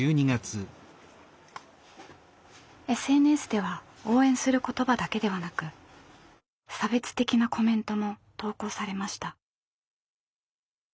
ＳＮＳでは応援する言葉だけではなく差別的なコメントも投稿されました。